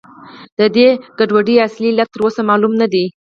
د دې ګډوډۍ اصلي علت تر اوسه معلوم نه دی.